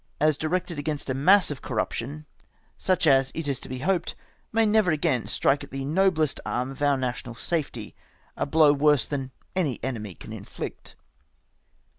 155 — as directed against a mass of corruption, such as — it is to be hoped — may never again strike at the noblest arm of our national safety a blow worse than any enemy can inflict.